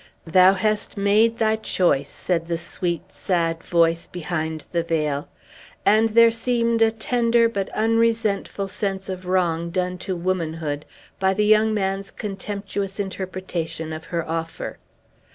"Thou hast made thy choice," said the sweet, sad voice behind the veil; and there seemed a tender but unresentful sense of wrong done to womanhood by the young man's contemptuous interpretation of her offer.